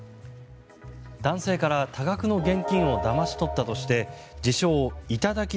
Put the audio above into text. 男性から多額の現金をだまし取ったとして自称頂き